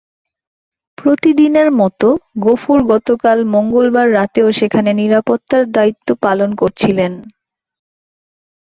প্রতিদিনের মতো গফুর গতকাল মঙ্গলবার রাতেও সেখানে নিরাপত্তার দায়িত্ব পালন করছিলেন।